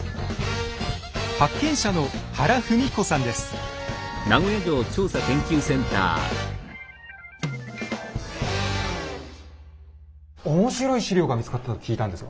発見者の面白い史料が見つかったと聞いたんですが。